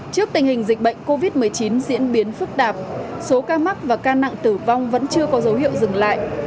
trước tình hình dịch bệnh covid một mươi chín diễn biến phức tạp số ca mắc và ca nặng tử vong vẫn chưa có dấu hiệu dừng lại